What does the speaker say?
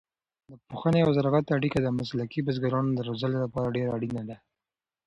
د پوهنې او زراعت اړیکه د مسلکي بزګرانو د روزلو لپاره ډېره اړینه ده.